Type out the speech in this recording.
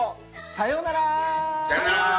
さようなら。